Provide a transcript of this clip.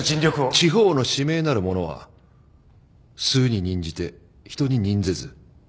治法の至明なる者は数に任じて人に任ぜず。